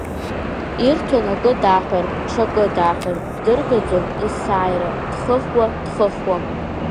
Ирҭон акы даҳәар, ҽакы даҳәар, ддыргаӡон есааира, дхыхуа, дхыхуа.